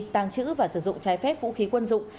tàng trữ và sử dụng trái phép vũ khí quân dụng